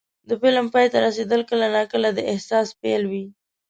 د فلم پای ته رسېدل کله ناکله د احساس پیل وي.